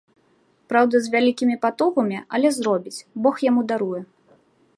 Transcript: Праўда, з вялікімі патугамі, але зробіць, бог яму даруе.